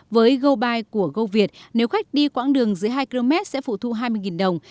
với goby của goviet nếu khách đi quãng đường dưới hai km sẽ phụ thu hai mươi đồng